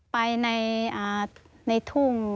ไปในทุ่ง